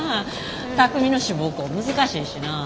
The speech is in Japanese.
巧海の志望校難しいしなあ。